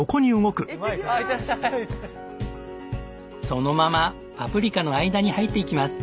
そのままパプリカの間に入っていきます。